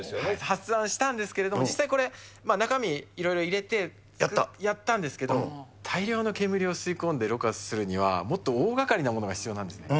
発案したんですけれども、実際これ、中身、いろいろ入れてやったんですけど、大量の煙を吸い込んでろ過するには、もっと大がかりなものが必要なんですね。